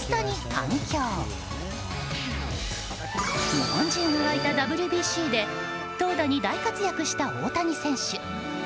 日本中が沸いたＷＢＣで投打に大活躍した大谷選手。